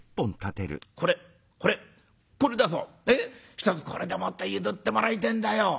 ひとつこれでもって譲ってもらいてえんだよ」。